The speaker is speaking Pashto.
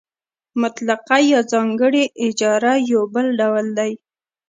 مطلقه یا ځانګړې اجاره یو بل ډول دی